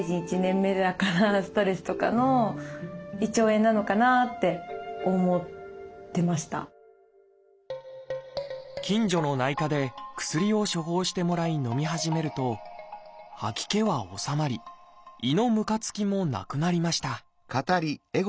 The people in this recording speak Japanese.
吐かなくても近所の内科で薬を処方してもらいのみ始めると吐き気は治まり胃のむかつきもなくなりました